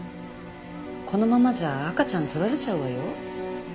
このままじゃ赤ちゃん取られちゃうわよ。